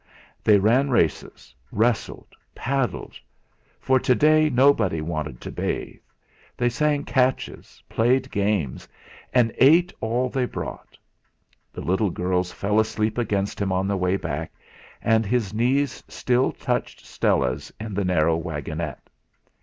They ran races, wrestled, paddled for to day nobody wanted to bathe they sang catches, played games, and ate all they had brought. The little girls fell asleep against him on the way back, and his knees still touched Stella's in the narrow wagonette.